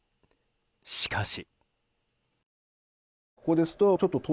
しかし。